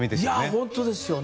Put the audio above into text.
本当ですよね。